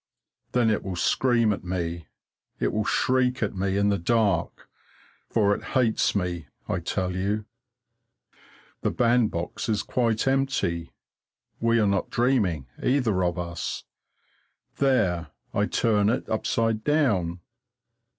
Then it will scream at me; it will shriek at me in the dark, for it hates me, I tell you! The bandbox is quite empty. We are not dreaming, either of us. There, I turn it upside down.